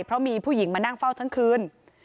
เพราะมีผู้หญิงมานั่งเฝ้าทั้งคืน